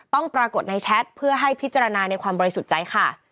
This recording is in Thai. ปรากฏในแชทเพื่อให้พิจารณาในความบริสุทธิ์ใจค่ะ